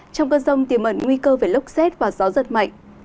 trong cơn rông tiềm ẩn nguy cơ về lốc xét và gió giật mạnh